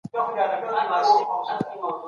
د نوي پاچا مهم کار څه و؟